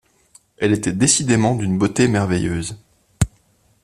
Elle était décidément d’une beauté merveilleuse.